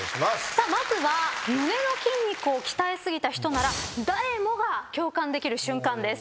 さあまずは胸の筋肉を鍛え過ぎた人なら誰もが共感できる瞬間です。